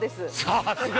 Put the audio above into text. ◆さすが。